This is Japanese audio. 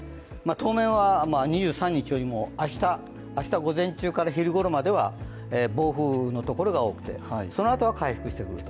当面は２３日よりも明日午前中から昼ごろまでは暴風雨のところが多くてそのあとは回復してくる。